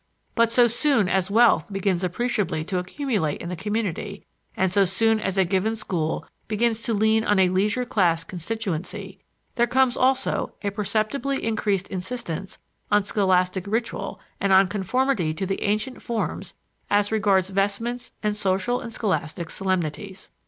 But so soon as wealth begins appreciably to accumulate in the community, and so soon as a given school begins to lean on a leisure class constituency, there comes also a perceptibly increased insistence on scholastic ritual and on conformity to the ancient forms as regards vestments and social and scholastic solemnities.